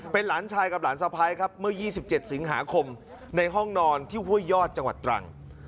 เป็นหลานชายกับหลานสะพ้ายครับเมื่อ๒๗สิงหาคมในห้องนอนที่ห้วยยอดจังหวัดตรัง